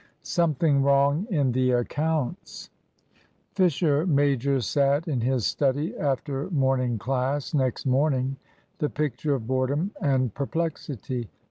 SOMETHING WRONG IN THE ACCOUNTS. Fisher major sat in his study after morning class, next morning, the picture of boredom and perplexity.